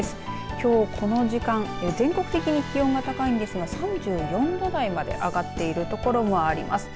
きょうこの時間全国的に気温が高いんですが３４度台まで上がっている所もあります。